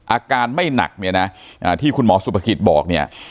อาการไม่หนักเนี่ยนะที่คุณหมอสุภกิจบอกเนี่ย